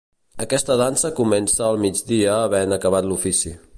Aquesta dansa comença al migdia havent acabat l'ofici.